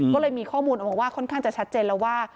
ก็เลยมีข้อมูลออกมาว่าค่อนข้างจะชัดเจนแล้วว่า